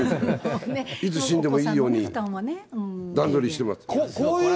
いつ死んでもいいように、段取りしてます。